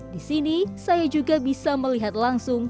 di sini saya juga bisa melihat langsung